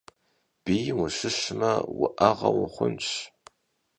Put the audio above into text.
Biym vuşıshme, vu'eğe vuxhunş.